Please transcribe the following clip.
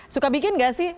suka bikin nggak sih